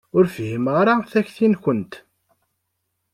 Ur fhimeɣ ara takti-nkent.